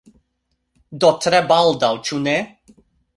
Do, tre baldaŭ ĉu ne?